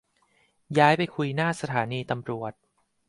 ย้ายไปคุยหน้าสถานีตำรวจ